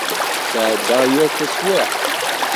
Sεeddaɣ yir taswiεt.